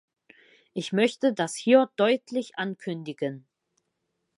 Ich möchte das hier deutlich ankündigen.